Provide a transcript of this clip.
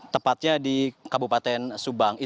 tepatnya di kabupaten subang